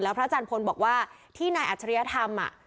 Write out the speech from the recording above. แล้วพระอาจารย์พลบอกว่าที่นายอัจฉริยะทำอ่ะ